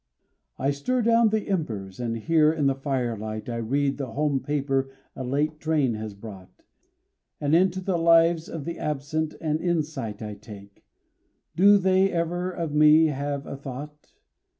I stir down the embers, and here in the firelight I read the home paper a late train has brought, And into the lives of the absent an insight I take; do they ever of me have a thought?